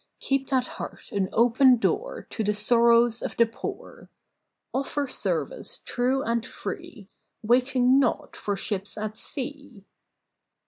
Keep that heart an open door To the sorrows of the poor; Offer service true and free, Waiting not for ships at sea.